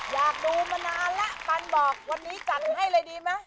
อยากดูมานานแล้วปันบอกวันนี้จัดให้เลยดีไหม